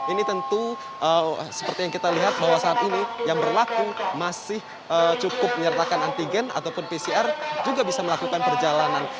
ini tentu seperti yang kita lihat bahwa saat ini yang berlaku masih cukup menyertakan antigen ataupun pcr juga bisa melakukan perjalanan